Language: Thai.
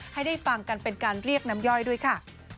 ให้ได้ฟังกันเป็นการเรียกน้ำย่อยด้วยค่ะ